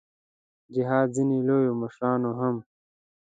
د جهاد ځینو لویو مشرانو هم.